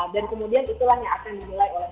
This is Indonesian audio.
dan kemudian itulah yang akan dinilai oleh